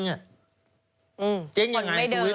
เออคนไม่เดินอืมเจ๊งอย่างไร